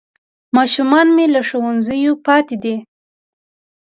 ماشومان مې له ښوونځیو پاتې دي